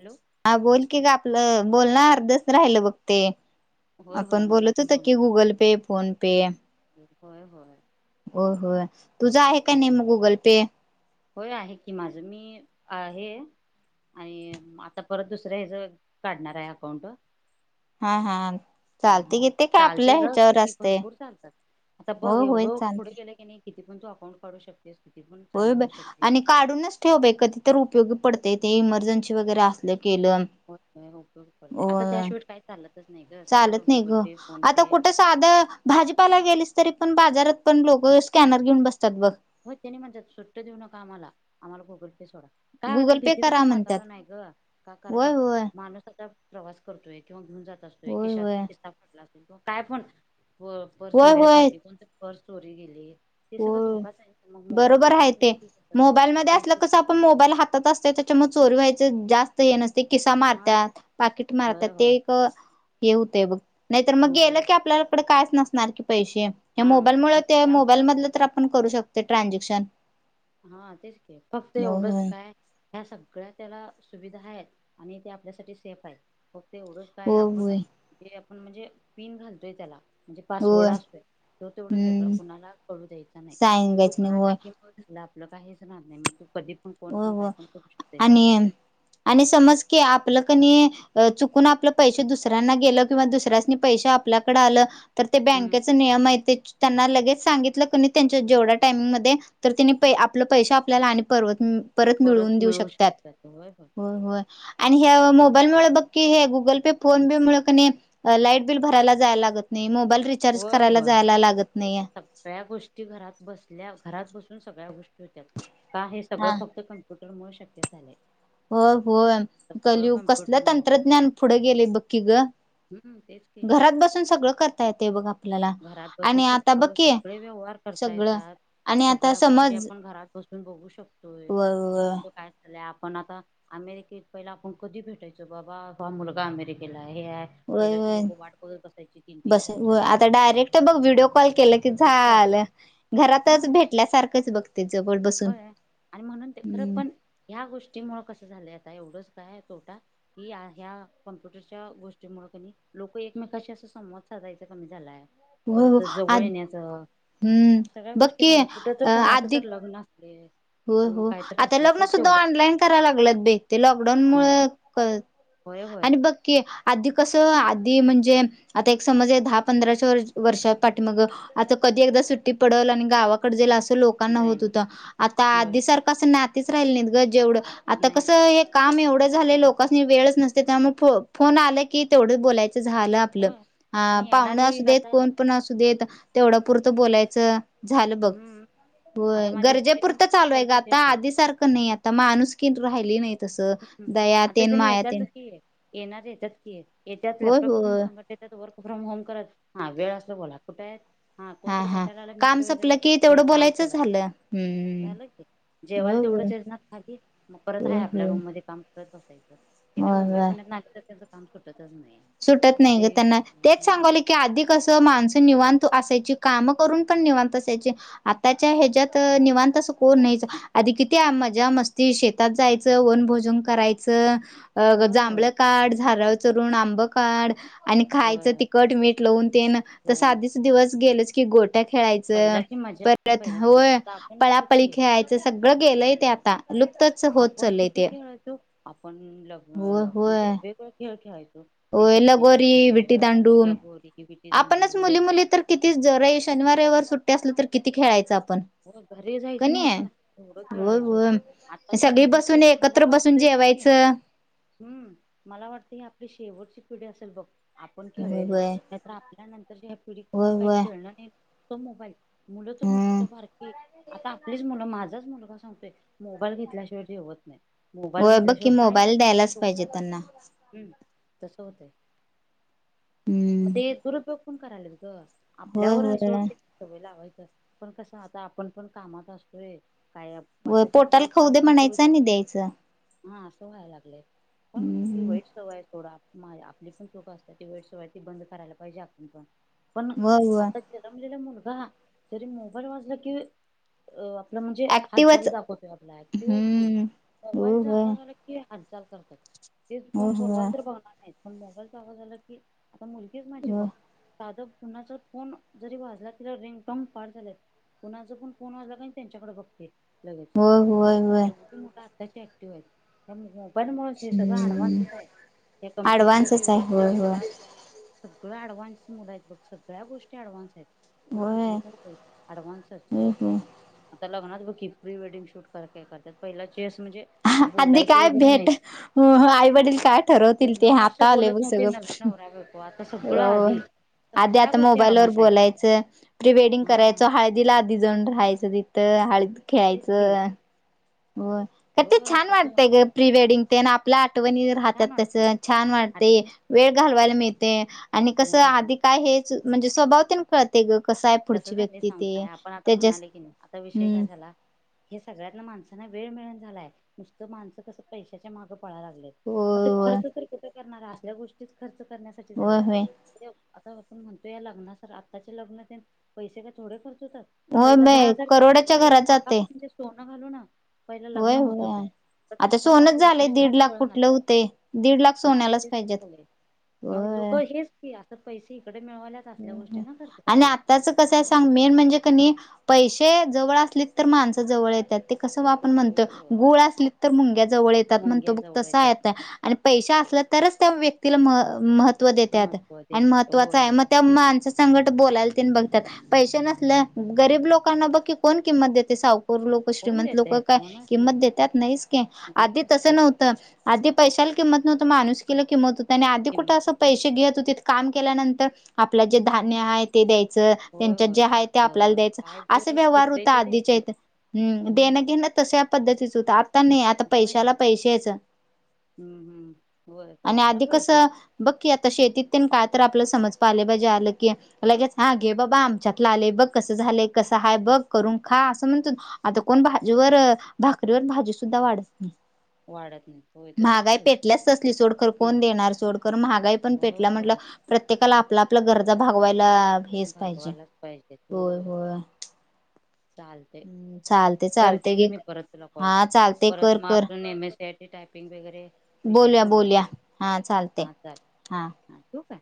Hello हा बोल कि ग आपलं बोलणं अर्धच राहिल बघते होय होय आपण बोलत मगाचं होत की बोलण गुगल पे फोन पे [inaudible] हो हो तुझं आहे काय नाहीे मग गुगल पे होय आहे की माझं मी आहे आणि आता परत दुसरं हच काढणार आहे अकाउंट हा हा चालते हा की ते काय आपल्या चालतेय ग ह्याच्यावर किती असते भरपूर चालतात आता बघ हो होय एवढं पुढे चालते गेलं की नाही किती प तू अकाउं काढू शक बरोर आणि काढूनच ठेवय कधी तर उपयोगी पडते ते इमर्जन्सी वगैरे असले केलं होते आता होय त्याशिवाय काही चालतच नाही ग चालत सगळं नाही गुगल ग पे फोन आता पे कुठं साधं भाजीपाला गेलीस तरी पण बाजारात पण लोक स्कॅनर घेऊन बसतात बघ. टे देऊ नका आम्हाला, आम्हाला गुगल पे सोडा. काय आता गुगल पे भीतीच करा पण म्हणतात वातावरण ये ग, का करा होय बघ होय माणूस आता प्रवास करतोय किंवा घन जात असतोय, होय किशात होय किसा फाटला असतो किंवा काय पण पर्स होय वगैरे होय फाटली कोणत पर्स चोरी गेली ते हो सगळं धोकाच आहे मग मोबाईल बरोबर जपून हाहे ते ठेवलं की कसं मोबाईल मध्ये असल पैसे कस आपण मोबाईल हातात असत म चोरवायच जास्त ये न ते किसा हा मारत्यात पाकिट होय मारत्यात ते होय एक हे होतय बघ. नाही तर मग गेल होय की आपल्याकडे कायच नसणार की पैशे हा मग मोबाईल मुळ तसं होत ते मो त्यामुळं तर करू शकतो ट्रांजेक्शन. हा तेच के फक्त एवढच काय? ह्या सगळ्या त्याला सुविधा हाहेत आणि ते आपल्यासाठी सेफ हेत. एवढच काय हो आपण होय जे आपण म्हणजे पिन घालतोय त्याला म्हणजे पासवर्ड होय असतोय, तो तेवढ वेगळा हम्म कोणाला कळू द्यायचा नायी तो सांगायच नाही कोळाला होय कि आपल काहीच ऱ्हात नाही मग कोण हो पण काय हो पण करू शकते त्याच आणि, आणि समज की आप आपल कणी चुकून आपल पैशे दुसऱ्यांना गेल किंवा दुसऱ्यानी पैशे आपल्याकडे आल तर ते हम्म बँकेच नियम ये ते त्यांना लगेच सांगितल क न त्यांच्या जेवढ्या टाइमिंग मधे तर तिने आपल पैशे आपल्याला पर परत मिळऊन न देऊ मिळू शकत्यात शकतात होय होय अन ग मोबाईल मुळे बघ कि हे गूगल पे फोन पे मुळे कणी लाईट बिल भरला जायला लागत नाही मो होय होय, सगळ्या गोष्टी घरात बसल्या घरात बस सगळ्या गोष्टी होत्यात का हे सगळ फक्त कम्प्युटर मुळे शक्य झालय. हो हो कलयुग कसल कम्प्युटरमुळे तंत्रज्ञान पुढ गेले बघकी ग. हम्म तेच की घरात बसून सगळ करता येतय बघा. घरात बसून सगळ सगळे व्यवहार करता सगळं येतात आणि आता सगळ्या गोष्टी समज आपण घरात बसून बघू शकतोय व म्हजे कुठ काय चाललया पण आता अमेरिकेत पहिला आपण कधी भेटायचो बाबा हा मुलगा अमेरिकेलाये हे व पहिल्याची लोक वाट बघत बसायची तीन तीन चार चार वर तर बघ व्हिडिओ कॉल केल की झाल घरातच हम्म भेटल्यासारखच बघ होय आणि म्हणून ते खर, पण ह्या गोष्टी मुळ कस झालय आता एवढ तोटा, कि ह्या कमप्युटरच्या गोष्टी मुळे कणी लोक एकमेकाशी अस संवाद सा कमी झालाये हो परत जवळ आद येण्याच, हम्म सगळ्या गोष्टी का बघकी नाई कुठ तर कोणाच तर अधिक लग्न असले हो किंवा हो काहीतरी आता असलं तर लग्न सुद्धा तेवढं ऑनलाईन करायला लागलत बे ते लॉकडाऊन मु होय होय होय आणि बघ की आधी कस कि म्हणजे आता एक समज दहा पंधराच्या वर्षात पाठी मग आता कधी एकदा सुट्टी पडल गावाकड जाईल अस लोकांना होत जाईन होत, आता होय आधी सारख असं नातीच राहिल नाही ग जेवढ आता नाही कसं हे काम एवढ झालय लोकास्नी वेळच नसते त्यामुळे फ फोन आला की तेवढ बोलाय झाल आपल होय आणि पाहुण येणारी असू एक देत आता कोण पण असू देत तेवढ पुरत बोलायच, झाल बघ, हम्म आता माझ्या दिदी गरजेपुर, पण आता तसंच चालू ये करत ग होत्या आता की आधी सारख नई आता माणूसकी राही ली नयी तस हम्म आता दयातिन त्यांनी मायातीन येतातच की येणार येत्यात की येतत लॅपटॉप घेऊन होय संगट येतात वर्क फ्रॉम होम करत हा वेळ असल बोला कुठयेत हा हा काम सपल की तेवढ नाही काम बोलायच चला झाल, हम्म हम्म तेवढ मग परत हाय आपल्या हो रूम मध्ये काम करत बसायच, ते काय होय मुंबई होय पुण्यात तर त्यांचं काम सुटत सुटत नाही ग त्यांना तेच सांगवले की आधी कस मानस निवांत असायच काम करून पण निवांत असायचे आताच्या ह्याच्यात निवांत असं कोण नाहीत आधी किती आ मजा मस्ती शेतात जायचं वनभोजन करायचं. अ होय होय जांभळ काढ झाारावर चरुून आंब काढ आणि होय खायचं तिखट मीठ लावून तेन त लोन आधीच दिवस गेलच की गोट खेळायचं पहिल्याची मजा ती परत पहिल्याची मजा होय आता आपणच पळापळी सुखी आहे खेळायचं सगळं गेलंय ते आता. लुप्तच होत आपण चालले किती ते. खेळायचो आपण लग होय होय म्हणजे वेगवेगळे खेळ खेळायचो ते होय जिबलीचे लगोरी खेळ विटीदांडू लगोर आपणच मुली मुली तर किती ज शनिवारवर सुट्टी असलं तर किती खेळायचं आप हो घरी जायचो नाही आपण थोडं होय खेळायचो होय आताच्या सगळी मुली बसून तर मला एकत्र बसून वाटतंय की नाही जेवायचं. हम्म मला वाटतं ही आपली शेवटची पिढी असेल बघ आपण होय खेळलेले होय त्या तर आपल्या नंतरच्या ह्या पिढी कोण होय काही होय खेळण नाही तो मोबाईल मुलं तर हम्म नुसतो बारकी आता आपलीच मुलं मा माझाच मुलगा सांगतोय मोबाईल घेतल्याशिवाय जेवत नाही. मोबाईल व बघ की घेतल्याशिवाय काहीच नाही मोबाईल द्यायलाच पाहिजे त्यांना तस होतंय मग हम्म ते दुरुपयोग पण करायलेत ग होय आपल्यावर आहे होय सोडते सवय लावायचं पण कसं आता आपण पण कामात असतोय. काय व आताची पोटाल पोरं खाऊ काम दे पण करू म्हणायच देत आणि द्यायचं हा असं व्हायला लागलेय पण ती हम्म वाईट सवय थोडा आपली पण चुक असतात ती वेळ सवाय ती बंद करायला पाहिजे आपण पण पण होय होय आता जन्मलेला मुलगा जरी मोबाईल वाजला कि अ आप म्हणजे ऍक्टिव्हच हालचाली दाखवतो आपला ऍक्टिव्ह आहे हम्म होय तबाईल ज होय असं झालं की हालचाल करतात तेच फोन होय बोलवाल होय तर बघणार नाही पण मोबाईल चचाग झालं की ता मुलगीच माझी होय बाप दादा पुुणाचा फोन जरी भाजला तिला रिंगटंग पाट झाले कोणाच पण कोण वाला का त्यांच्याकडे बघते होय होय होय. तशी ऍक्टिव्ह आहेत त्या णमुळे हे सगळं हम्म आणवांतच आहे या कम्प्युटरच्या ऍडव्हान्सच आहे युगात होय होय कलियुगात सगळं ऍडव्हान्स मुलं आहेत बघ सगळ्या गोष्टी ऍडव्हान्स आहेत तुला होय कुठली पण गोष्ट ऍडव्हान्सच होय होय आता लग्नात ब की प्री वेडिंग शूट काय करतात पहिला चेस म्हणजे आधी बोलायचे काय वगैरे भेट नाहीत आई वडील काय ठरवतील ते आता आले बघ सगळं रा बेको आता सगळ आधी अ आधी सगळ्या आता गोष्टी मोबाईल वर ऍडव्हान्स आहेत बोलायचं प्रीवेडिंग करायचं हा दिला आधी जाऊन राहायचं तिथं हळद हा तेच की खेळायचं हो का ते होय छान आता तर वाटतय ग प्री वेडिंग ते ना आपल्या आठवणी राहतात छान वाटतंय तसं छान वा ते आठवणी वेळ घालवायला मिळते आणि कस होय होय आधी काय हेच म्हणजे स्वभाव तेन कळते ग कसं आहे तसं पुढची झाल व्यक्ती ते सांगताय आपण आता त्याच्यास म्हणाले की नाही आता विषय काय हम्म झाला हे सगळ्यात माणसांना वेळ मिळून झालाय नुसतं माणसं कसं पैशाच्या माग लाग मग ते होय खर्च तर क करणार असल्या गोष्टी खर होय होय होय आ आपण म्हणतो या लग्नास आताचे लग्न पैसे काय थोडे खर्च होतात होय पहिला दहा बाई हजार वीस करोडाच्या हजार एक घरात लाखा जाते सोनं घालू न पहिला लग्न होय होत होते होय आता सोनच झालेय दीड लाख कुठलं होते दीड लाख हा मग सोन्यालाच तेच पाहिजेत. झालंय. मग होय लोकं हेच की आता पैसे इकडे मिळवाल्याच असल्या गोष्टी ना खर्च आणि करायल्या आताच मेन म्हणजे कि नय पैसे जवळ असले तर माणसं जवळ येतात कस आपण म्हणतो होय होय गुळ असल तर मुंग्या जवळ येतात म्हणतो मुंग्या बघ जवळ तस आहे येतात आता आणि पैसे तरच त्या व्यक्तीला महत्व देतात महत्त्व आणि देतात महत्वाच होय आहे होय. म गसंट बोलायतीन बघतात पैसे नसल्या गरीब लोकांना बघ की कोण किंमत देते साऊ लोक कोण श्रीमंत लोक देतय काय कोणच नाही किंमत देतात नाहीस क आधी नाहीच तसं घेत नव्हतं आधी पैशाला किंमत नव्हतं माणूसकीला किंमत होतं आणि आधी कुठ किंमत असं होती पैसे घेत होतेत. काम केल्यानंतर आपलं जे धान्य आहे ते होय त्यांच्यात होय जे आहे ते आपल्याला साखर द्यायचं काय अस जे व्यवहार पिकतय होतं ते आधीच्या द्यायचं हित होय देणं होय घेणं तश्या पद्धतीच होत आता नाही. आता होय होय पैशाला पैशाचं हम्म हम्म होय आणि पैशाला आधी पैसे कसं, बघ की आता शेतीतून काय तर पालेभाजी आलं की, लगेच हा घे बाबा आमच्यातलं आले बघ कसं झालेय, कसं हाय, बघ करून खा असं म्हणतो, आता कोण भाजीवर भाकरीवर भाजी सुद्धा वाढत नाही. [unintelligible] तसच महागाई झालंय पेटल्याचसली सोडकर कोण हम्म, देणार सोडकर महागाई पण होय पेटला म्हटलं होय प्रत्येका आपला गरजा भागवायला हेच पाहिजे भागवायलाच पाहिजे होय, होय. चालतंय हम्म चालते करते चालते की घे मी परत तुला कॉल. हा चालते परत कर मग आपलं नेहमीच [unintelligible] टायपिंग वगैरे, विषयी बोलया, बोलूया बोलया हा चालतंय हा चालेल हा. ठेवू काय